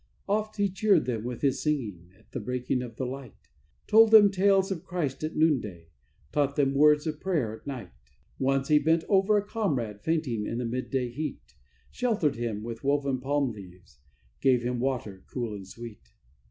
Oft he cheered them with his singing at the breaking of the light, Told them tales of Christ at noonday, taught them words of prayer at night. Once he bent above a comrade fainting in the mid day heat, Sheltered him with woven palm leaves, gave him water, cool and sweet.